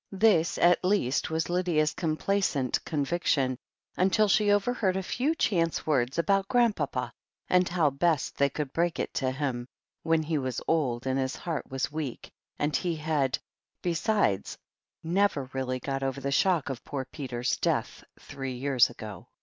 This, at least, was Lydia's complacent conviction, until she overheard a few chance words about Grand papa, and how best they could break it to him, when he was old, and his heart was weak — ^and he had, besides, never really got over the shock of poor Peter's death, three years ago.